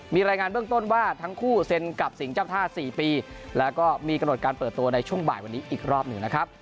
มีรายงานเบื้องต้นว่าทั้งคู่เซ็นกับสิ่งเจ้าท่า๔ปีแล้วก็มีกำหนดการเปิดตัวในช่วงบ่ายวันนี้อีกรอบหนึ่งนะครับ